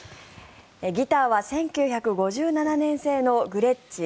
ギターは１９５７年製のグレッチ６１２０